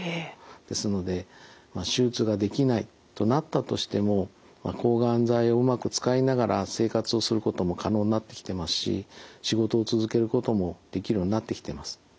ですので手術ができないとなったとしても抗がん剤をうまく使いながら生活をすることも可能になってきてますし仕事を続けることもできるようになってきてます。